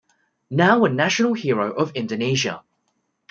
Now a National Hero of Indonesia.